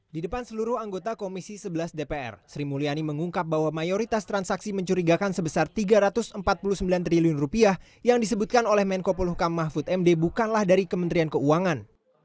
di depan seluruh anggota komisi sebelas dpr sri mulyani mengungkap bahwa mayoritas transaksi mencurigakan sebesar rp tiga ratus empat puluh sembilan triliun yang disebutkan oleh menko polhukam mahfud md bukanlah dari kementerian keuangan